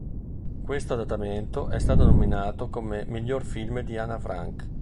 Questo adattamento è stato nominato come "miglior film di Anna Frank".